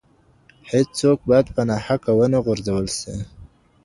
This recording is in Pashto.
هیڅوک باید په ناحقه ونه ځورول سي.